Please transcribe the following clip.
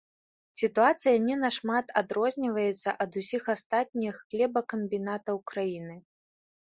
Сітуацыя не нашмат адрозніваецца ад усіх астатніх хлебакамбінатаў краіны.